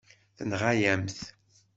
Tenɣa-yam-t.